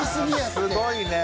すごいね。